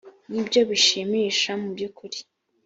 nibyo binshimisha mu by’ukuri